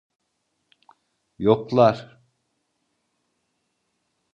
Yoklar.